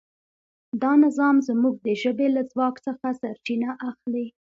دا نظام زموږ د ژبې له ځواک څخه سرچینه اخلي.